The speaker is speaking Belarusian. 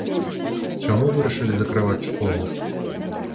Чаму вырашылі закрываць школу?